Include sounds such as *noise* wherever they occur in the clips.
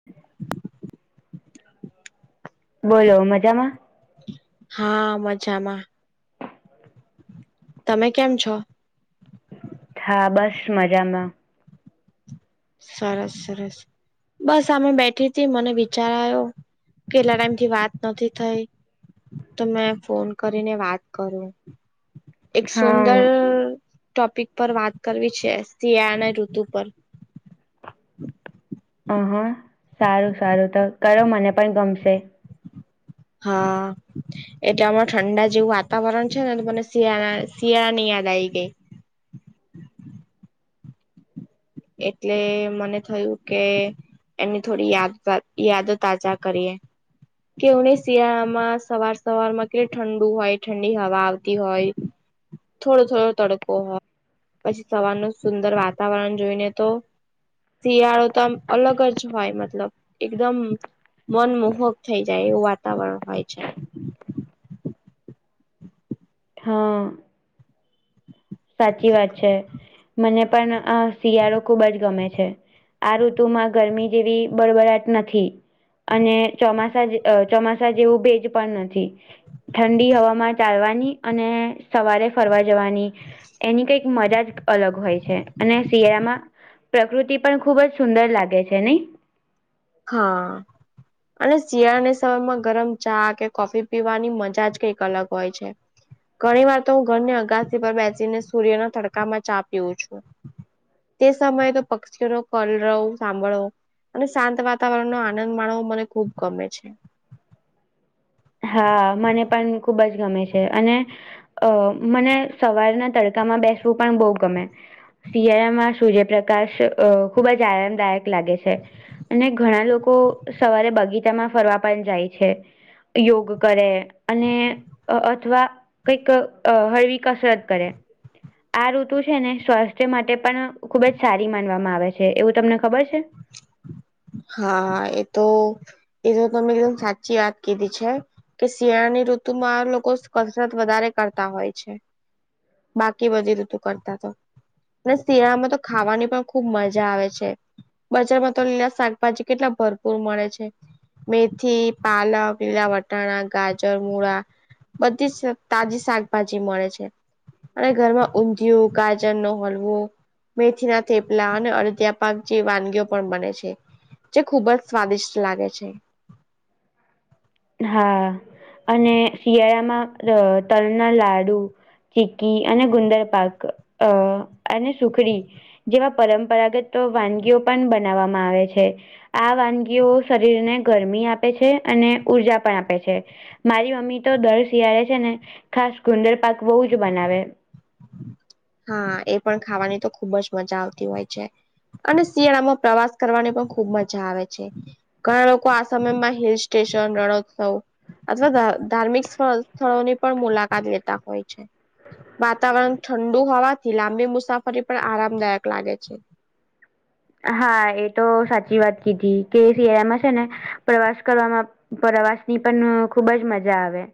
*inaudible* બોલો મજામાં. હા મજામાં. તમે કેમ છો. હા બસ મજામાં. સરસ સરસ બસ અમે બેઠી હતી. મને વિચારો આયો. કેટલા ટાઈમ થી વાત નથી થઈ. તો મેં ફોન કરીને વાત કરું. એક સુંદર હા ટોપિક પર વાત કરવી છે. શિયાળના ઋતુ પર *inaudible* અહા સારું સારું તો કરો મને પણ ગમશે. હા.... એટલે હમણા ઠંડા જેવું વાતાવરણ છે. ને મને શિયાળ શિયાળાની યાદ આવી ગઈ. એટલે મને થયું કે. એની થોડી યાદ યાદ તાજા કરીએ. કેવને શિયાળામાં સવાર સવારમાં કેટ ઠંડુ હોય. ઠંડી હવા આવતી હોય. થોડો થોડો તડકો હોય. પછી સવારનો સુંદર વાતાવરણ જોઈને તો. શિયાળો તો આમ અલગ જ હોય. એકદમ મનમોહક થઈ જાય એવું. વાતાવરણ હોય છે. હા... હા સાચી વાત છે. મને પણ આ શિયાળો ખુબ જ ગમે છે. આ ઋતુમાં ગરમી જેવી બળબડાટ નથી. અને ચોમાસા ચોમાસા જેવું ભેજ પણ નથી. ઠંડી હવામાં ચાલવાની અને સવારે ફરવા જવાની. એની કંઈક મજા જ અલગ હોય છે. અને શિયાળામાં પ્રકૃતિ પણ ખુબ જ સુંદર લાગે છે નહી. હા..... અને શિયાળની સમયમાં ગરમ ચા કે કોફી પીવાની મજા જ કઈક અલગ હોય છે. ઘણી વાર તો હું ઘરની અગાસી પર બેસીને સૂર્યના તડકામાં ચા પીઉું છું. તે સમયે તો પક્ષીઓનો કલરવ સાંભળવો અને શાંત વાત. સવારનો વાતાવરણ નો આનંદ માણવો મને ખુબ ગમે છે. હા મને પણ ખુબ જ ગમે છે. અને અને મને સવારના તડકામાં બેસવું પણ બહુ ગમે. શિયાળામાં સૂર્યપ્રકાશ અ ખુબ જ આયમદાયક લાગે છે. અને ઘણા લોકો સવારે બગીચામાં ફરવા પણ જાય છે. યોગ કરે અને અથવા કંઈક હળવી કસરત કરે, આ ઋતુ છે ને સ્વાસ્થ્ય માટે પણ ખુબ જ સારી માનવામાં આવે છે એવું તમને ખબર છે. હા એ તો એ તો તમે એકદમ સાચી વાત કીધી છે. તો શિયાળાની ઋતુમાં લોકો કસરત વધારે કરતા હોય છે બાકી બધી ઋતુ કરતા તો. અને શિયાળામાં તો ખાવાની પણ ખુબ મજા આવે છે. બજારમાં તો લીલા શાકભાજી કેટલા ભરપૂર મળે છે. મેથી, પાલક, લીલા વટાણા, ગાજર, મૂળા બધી જ તાજી શાકભાજી મળે છે. અને ઘરમાં ઉંધીયુ ગાજર નો હલવો મેથી ના થેપલા અને અડધ્યા પાક જે વાનગી ઓ પણ બને છે જે ખુબ જ સ્વાદિષ્ટ લાગે છે. હા અને શિયાળામાં અ તલના લાડુ ચીકી અને ગુંદર પાક અ અને સુખડી જેવા પરંપરાગત વાનગીઓ પણ બનાવવામાં આવે છે. આ વાનગીઓ શરીર ને ગરમી આપે છે અને ઊર્જા પણ આપે છે. મારી મમ્મી તો દર શિયાળે છે ને ખાસ ગુંદર પાક બહુ જ બનાવે. હા એ પણ ખાવાની તો ખુબ જ મજા આવતી હોય છે. અને શિયાળામાં પ્રવાસ કરવાની પણ ખુબ મજા આવે છે. ઘણા લોકો આ સમયમાં હિલ સ્ટેશન રણોત્સવ અથવા ધા ધાર્મિક સ્થળોની પણ મુલાકાત લેતા હોય છે. વાતાવરણ ઠંડુ હોવાથી લાંબી મુસાફરી પણ આરામદાયક લાગે છે. હા એ તો સાચી વાત કીધી કે શિયાળામાં છે ને પ્રવાસ કરવામાં પ્રવાસ ની પણ ખુબ જ મજા આવે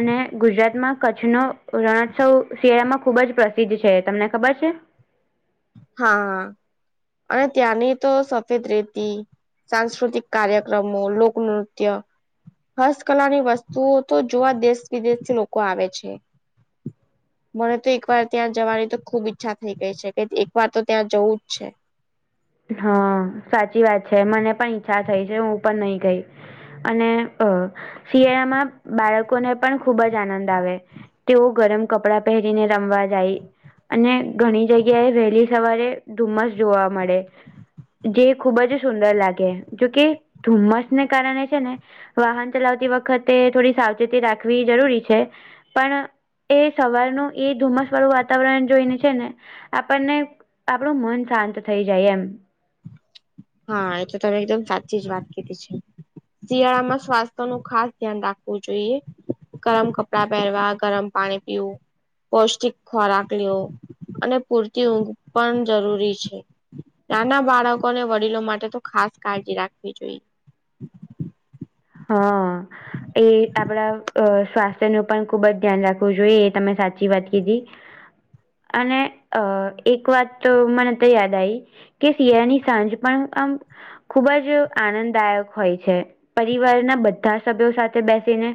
અને ગુજરાતમાં કચ્છ નો રણોત્સવ શિયાળામાં ખુબ જ પ્રસિદ્ધ છે, તમને ખબર છે? હા અને ત્યાંની તો સફેદ રેતી સાંસ્કૃતિક કાર્યક્રમો લોકનૃત્યમ હસ્તકલા ની વસ્તુઓ તો જોવા દેશ વિદેશથી લોકો આવે છે. મને તો એક વાર ત્યાં જવાની તો ખુબ ઈચ્છા થઈ ગઈ છે કે એક વાર તો ત્યાં જવું જ છે. હા સાચી વાત છે મને પણ ઈચ્છા થઈ છે હું પણ નહી ગઈ. અને અ શિયાળામાં બાળકોને પણ ખુબ જ આનંદ આવે. તેઓ ગરમ કપડા પહેરીને રમવા જાય અને ઘણી જગ્યાએ વહેલી સવારે ધુમ્મસ જોવા મળે. *inaudible* જે ખુબ જ સુંદર લાગે, જોકે ધુમ્મસને કારણે છે ને વાહન ચલાવતી વખતે થોડી સાવચેતી રાખવી જરૂરી છે પણ એ સવારનું એ ધુમ્મસ વાળું વાતાવરણ જોઈને છે ને આપણને આપણું મન શાંત થઈ જાય એમ. હા એ તો તમે એકદમ સાચી જ વાત કીધી છે. શિયાળામાં સ્વાસ્થ્ય નું ખાસ ધ્યાન રાખવું જોઈએ. ગરમ કપડા પહેરવા ગરમ પાણી પીવું. પૌષ્ટિક ખોરાક લેવો અને પૂરતી ઊંઘ પણ જરૂરી છે. નાના બાળકોને વડીલો માટે તો ખાસ કાળજી રાખવી જોઈએ. હા. એ આપડા અ સ્વાસ્થ્ય નું પણ ખુબ જ ધ્યાન રાખવું જોઈએ એ તમે સાચી વાત કીધી. *inaudible* અને અ એક વાત તો મને તો યાદ આઇ. કે શિયાળાની સાંજ પણ આમ ખુબ જ આનંદદાયક હોય છે. પરિવારના બધા સભ્યો સાથે બેસીને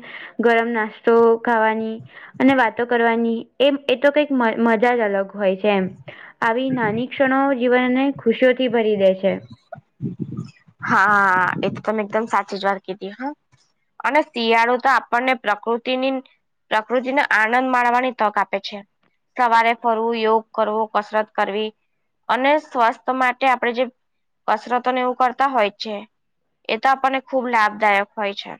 ગરમ નાસ્તો ખાવાની અને વાતો કરવાની એમ એ તો કઈક મ મજા જ અલગ હોય છે એમ આવી નાની ક્ષણો જીવનને ખુશીઓથી ભરી દે છે. હા એ તો તમે એકદમ સાચી જ વાત કીધી હ અને શિયાળો તો આપણને પ્રકૃતિની પ્રકૃતિનો આનંદ માણવાની તક આપે છે. સવારે ફરવું યોગ કરવું કસરત કરવી અને સ્વાસ્થ માટે આપડે જે કસરતો ને એવું કરતા હોય જ છે એ તો આપણને ખુબ લાભદાયક હોય છે.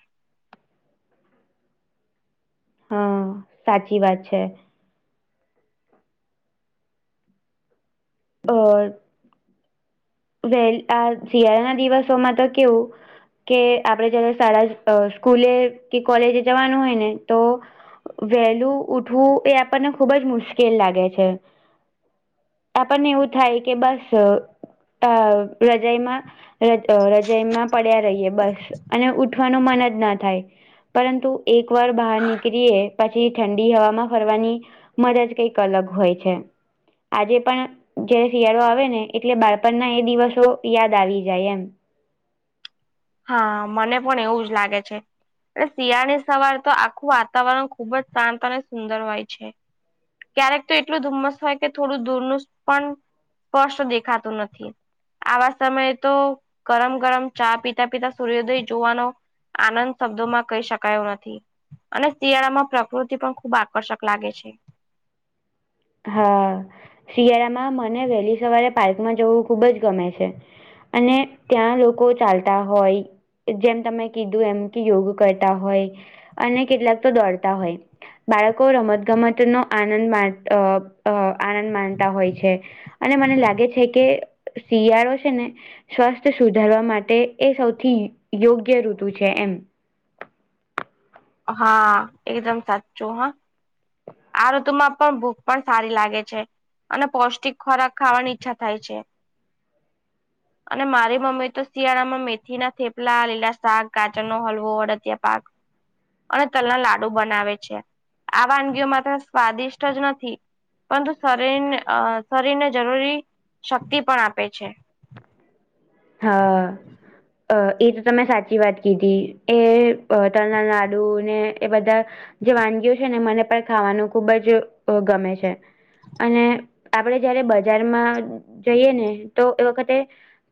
હા સાચી વાત છે. *unintelligible* અર વે આ શિયાળના દિવસોમાં તો કેવું? કે આપડે જયારે શાળા સ્કૂલે કે કોલેજે જવાનું હોય ને તો વહેલું ઉઠવું એ આપણને ખુબ જ મુશ્કેલ લાગે છે. આપણને એવું થાય કે બસ તાવ રજાઈમા રજ રજયમાં પડ્યા રહીએ બસ અને ઉઠવાનું મન જ ના થાય. પરંતુ એક વાર બહાર નીકળીએ પછી ઠંડી હવામાં ફરવાની મજાજ કઈક અલગ હોય છે આજે પણ જયારે શિયાળો આવે ને એટલે બાળ પણ ના એ દિવસો યાદ આવી જાય એમ. હા મને પણ એવું જ લાગે છે. એટલે શિયાળની સવાર તો આખું વાતાવરણ ખુબ જ શાંત અને સુંદર હોય છે. ક્યારેક તો એટલું ધુમ્મસ હોય કે થોડું દૂરનું પણ સ્પષ્ટ દેખાતું નથી આવા સમયે તો ગરમ ગરમ ચા પી તા પિતા સૂર્યોદય જોવાનો આનંદ શબ્દો માં કહી શકાય એવો નથી. અને શિયાળા માં પ્રકૃતિ પણ ખુબ આકર્ષક લાગે છે. હા શિયાળામાં મને વહેલી સવારે પાર્કમાં જવું ખુબ જ ગમે છે. અને ત્યાં લોકો ચાલતા હોય જેમ તમે કીધું એમ કે યોગ કરતા હોય અને કેટલાક તો દોડતા હોય. બાળકો રમતગમત નો આનંદ માણ અ અ માણતા હોય છે. અને મને લાગે છે કે શિયાળો છે ને સ્વાસ્થ્ય સુધારવા માટે સૌથી યોગ્ય ઋતુ છે એમ હા એકદમ સાચું હા. આ ઋતુમાં પણ ભૂખ પણ સારી લાગે છે. અને પૌષ્ટિક ખોરાક ખાવાની ઈચ્છા થાય છે. અને મારી મમ્મી તો શિયાળામાં મેથી ના થેપલા લીલા શાક ગાજરનો હલવો અડદિયા પાક અને તલના લાડુ બનાવે છે. આ વાનગીઓ માત્ર સ્વાદિષ્ટ જ નથી. પરંતુ શરીરને અ શરીરને જરૂરી શક્તિ પણ આપે છે. હા અ એ તો તમે સાચી વાત કીધી એ તલના લાડુ ને એ બધા જે વાનગીઓ છે ને મને પણ ખાવાનું ખુબ જ ગમે છે. અને આપડે જયારે બજારમાં જઈએ ને તો એ વખતે,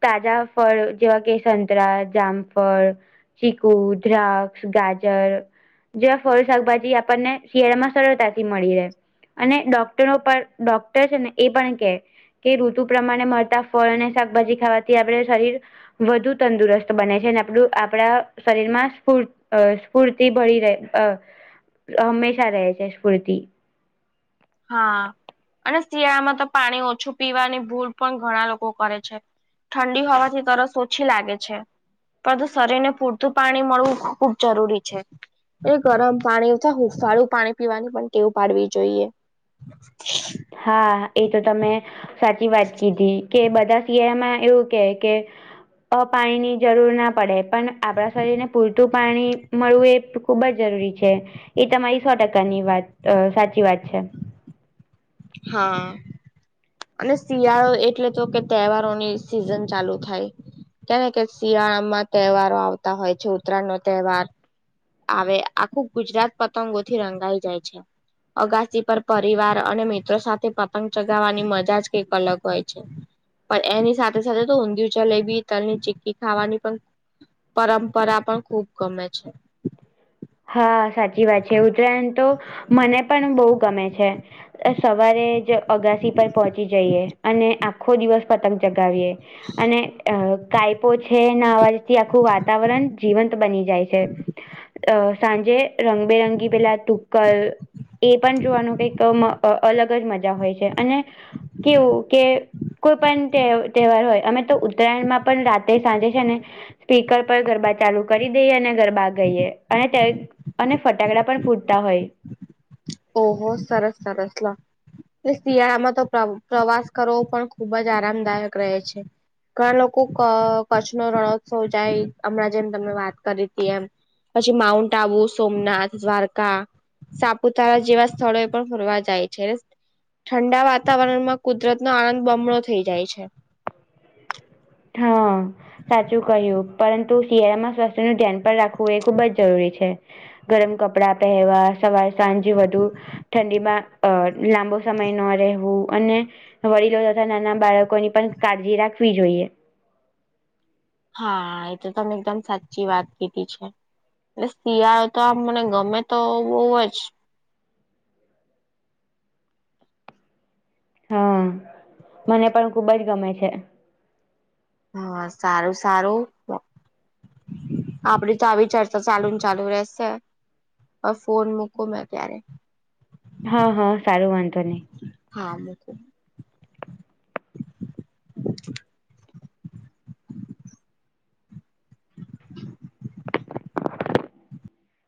તાજા ફળ જેવા કે સંતરા, જામફળ ચીકુ, દ્રાક્ષ, ગાજર જેવા ફળ, શાકભાજી આપણને શિયાળામાં સરળતાથી મળી રહે. અને ડોક્ટરો પણ ડોક્ટર છે ને એ પણ કહે કે ઋતુ પ્રમાણે ફળ અને શાકભાજી ખાવાથી આપણે શરીર. વધુ તંદુરસ્ત બને છે અને આપું આપણા શરીરમાં સ્ફૂર્તિ ભળી રહે, હંમેશા રહે છે. સ્ફૂર્તિ. હા અને શિયાળામાં તો પાણી ઓછું પીવાની ભૂલ પણ ઘણા લોકો કરે છે. ઠંડી હોવાથી તરસ ઓછી લાગે છે. પરંતુ શરીર ને પૂરતું પાણી મળવું ખુબ જરૂરી છે. એ ગરમ પાણી અથવા હુંફાળું પાણી પીવાની પણ ટેવ પાડવી જોઈએ. *inaudible* *unintelligible* એ તો તમે સાચી વાત કીધી કે બધા શિયાળામાં એવું કે પાણીની જરૂર ના પડે પણ આપણા શરીરને પૂરતું પાણી મળવું એ ખુબ જ જરૂરી છે. એ તમારી સો ટકાની વાત સાચી વાત છે. હા. અને શિયાળો એટલે તો કે તહેવારોની સિઝન ચાલુ થાય. કેમ કે શિયાળામાં તહેવારો આવતા હોય છે, ઉત્તરાયણનો તહેવાર. આવે આખું ગુજરાત પતંગોથી રંગાઈ જાય છે. અગાસી પર પરિવાર અને મિત્રો સાથે પતંગ ચગાવવાની મજા જ કંઈક અલગ હોય છે. પણ સાથે તો ઊંધિયું, જલેબી, તલની ચીકી ખાવાની પણ પરંપરા પણ ખુબ ગમે છે. હા સાચી વાત છે, ઉત્તરાયણ તો મને પણ બહુ ગમે છે. સવારે જ અગાસી પર પહોંચી જઈએ અને આપ આખો દિવસ પતંગ ચગાવીએ અને કાયપો છે ના અવાજથી આખું વાતાવરણ જીવંત બની જાય છે. સાંજે રંગબેરંગી પેલા તુક્કલ એ પણ જોવાનું કઈક અલગ જ મજા હોય છે અને કેવું કે કોઈ પણ તહેવાર હોય અમે તો ઉત્તરાયણમાં પણ રાતે સાંજે છે ને સ્પીકર પર ગરબા ચાલુ કરી દઈએ અને ગરબા ગરબા ગાઈએ અને અને ફટાકડા પણ ફૂટતા હોય. ઓહો સરસ સરસ શિયાળામાં તો પ્રવાસ કરવો પણ ખુબ જ આરામદાયક રહે છે. ઘણા લોકો કચ્છનો રણોત્સવ જાય હમણાં જેમ તમે વાત કરી હતી. એમ માઉન્ટ આબુ, સોમનાથ, દ્વારકા, સાપુતારા જેવા સ્થળો એ પણ ફરવા જાય છે. ઠંડા વાતાવરણમાં કુદરતનો આનંદ બમણો થઈ જાય છે. હા સાચું કહ્યું. પરંતુ શિયાળામાં સ્વાસ્થ્યનું ધ્યાન પણ રાખવું એ ખુબ જ જરૂરી છે. ગરમ કપડા પહેવા, સવારે સાંજ વધું. ઠંડીમાં લાંબો સમય ન રહેવું અને વડીલો તથા નાના બાળકોની પણ કાળજી રાખવી જોઈએ. હા એ તો એકદમ સાચી વાત છે. એટલે શિયાળો તો આમ મને ગમે તો બહુ જ હા મને પણ ખુબજ ગમે છે. હા સારું સારું આપડી તો આવી ચર્ચા ચાલુ ચાલુ રહેશે. અ ફોન મૂકું મે અત્યારે હા હા સારું વાંધો ની હા